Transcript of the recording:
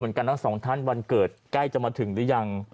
กันทั้งสองท่านวันเกิดใกล้จะมาถึงหรือยัง